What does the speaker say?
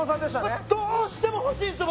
これどうしても欲しいんですよ